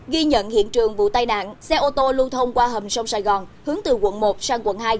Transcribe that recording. ghi nhận hiện trường vụ tai nạn xe ô tô lưu thông qua hầm sông sài gòn hướng từ quận một sang quận hai